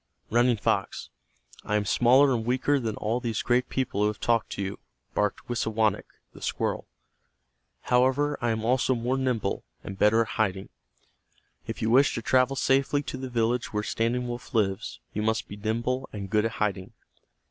"Running Fox, I am smaller and weaker than all these great people who have talked to you," barked Wisawanik, the squirrel. "However, I am also more nimble, and better at hiding. If you wish to travel safely to the village where Standing Wolf lives, you must be nimble and good at hiding.